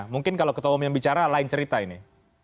mungkin kalau ketua umum yang bicara lain cerita ini